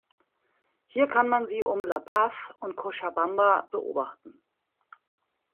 Hier kann man sie um La Paz und Cochabamba beobachten.